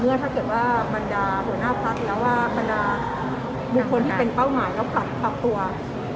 เมื่อถ้าเกิดว่าบรรดาหัวหน้าพรรคแล้วว่าบรรดาบุคคลที่เป็นเป้าหมายแล้วปรับปรับตัว